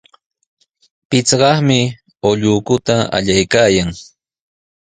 Pichqaqmi ullukuta allaykaayan.